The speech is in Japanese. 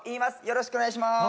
よろしくお願いします